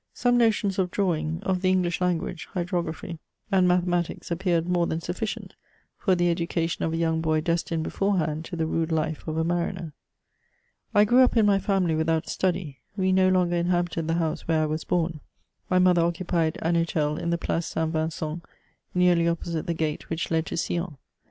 Some notions of drawing, of the English language, hydrography, and mathematics appeared more than sufficient for the education of a young boy, destined beforehand to the rude life of a mariner. I grew up in my family without study. "We no longer inhabited the house where I was bom : my mother occupied an hotel in the Place Saint Vincent, nearly opposite the gate which led to SUlon.